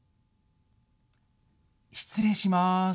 失礼します。